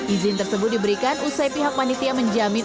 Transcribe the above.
izin tersebut diberikan usai pihak panitia menjamin